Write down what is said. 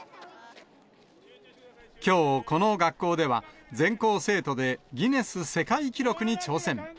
きょう、この学校では、全校生徒でギネス世界記録に挑戦。